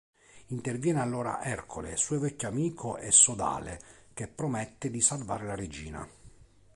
Interviene allora Ercole, suo vecchio amico e sodale, che promette di salvare la regina.